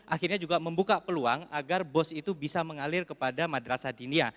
akhirnya juga membuka peluang agar bos itu bisa mengalir kepada madrasah dinia